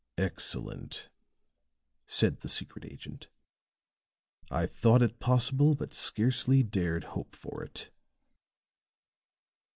"Excellent," said the secret agent. "I thought it possible, but scarcely dared hope for it."